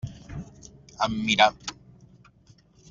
Em mirà.